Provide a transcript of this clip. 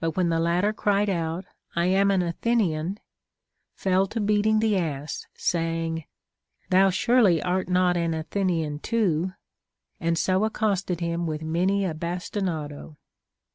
when the latter cried out, I am an Athenian, fell to beating the ass, saying, Thou surely art not an Athenian too, and so accosted him with many a bastinado.